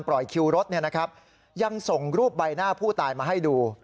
ปล่อยคิวรถเนี่ยนะครับยังส่งรูปใบหน้าผู้ตายมาให้ดู